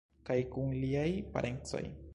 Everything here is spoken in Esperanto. Kaj kun liaj parencoj.